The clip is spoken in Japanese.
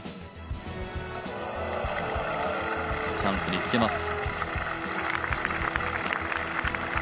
チャンスにつけます。